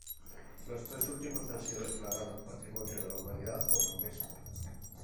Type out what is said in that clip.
Los tres últimos han sido declarados Patrimonio de la Humanidad por la Unesco.